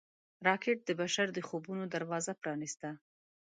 راکټ د بشر د خوبونو دروازه پرانیسته